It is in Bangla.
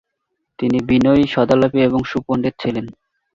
তিনি বিনয়ী, সদালাপী এবং সুপণ্ডিত ছিলেন।